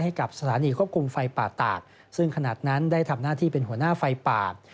ให้กับสถานีควบคุมไฟป่าตากซึ่งขนาดนั้นได้ทำหน้าที่เป็นหัวหน้าไฟป่า